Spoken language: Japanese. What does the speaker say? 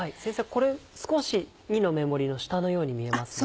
これ少し２の目盛りの下のように見えますが。